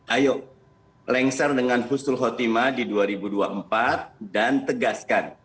ayo lengser dengan khustul khotimah di dua ribu dua puluh empat dan tegaskan